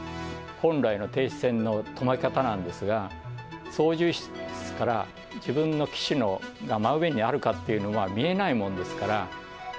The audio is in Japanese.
本来の停止線の止まり方なんですが、操縦室から自分の機首が真上にあるかっていうのは、見えないもん